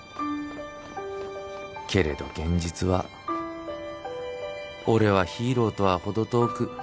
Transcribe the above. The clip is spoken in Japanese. けれど現実は俺はヒーローとは程遠く。